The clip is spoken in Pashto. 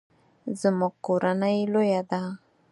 زموږ کورنۍ لویه ده